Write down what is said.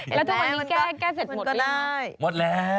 แล้วทุกวันนี้แก้เสร็จหมดยังไหมหมดแล้วหมดแล้ว